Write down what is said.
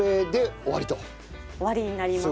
終わりになります。